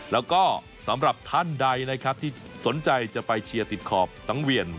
แล้วก็สำหรับท่านใดนะครับที่สนใจจะไปเชียร์ติดขอบสังเวียน